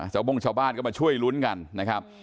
โบ้งชาวบ้านก็มาช่วยลุ้นกันนะครับ